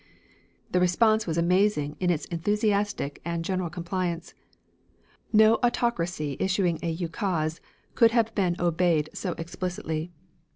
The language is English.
The response was amazing in its enthusiastic and general compliance. No autocracy issuing a ukase could have been obeyed so explicitly.